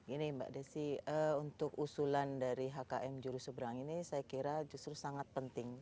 ini mbak desi untuk usulan dari hkm juru seberang ini saya kira justru sangat penting